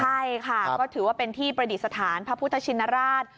ใช่ค่ะก็ถือว่าเป็นที่ประดิษฐานพระพุทธชินราช